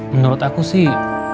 menurut aku sih